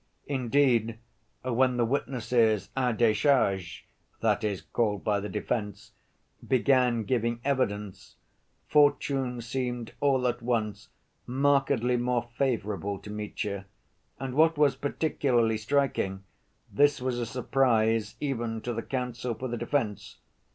Indeed, when the witnesses à décharge, that is, called by the defense, began giving evidence, fortune seemed all at once markedly more favorable to Mitya, and what was particularly striking, this was a surprise even to the counsel for the defense.